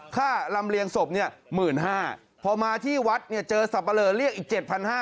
ฆ่ารำเลียงศพเนี่ยหมื่นห้าพอมาที่วัดเนี่ยเจอสับปะเลอเรียกอีกเจ็ดพันห้า